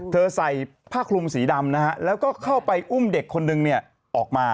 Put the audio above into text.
ใส่ผ้าคลุมสีดำนะฮะแล้วก็เข้าไปอุ้มเด็กคนนึงออกมา